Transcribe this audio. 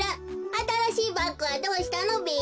あたらしいバッグはどうしたのべ？